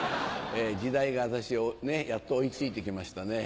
時代が私にやっと追いついてきましたね。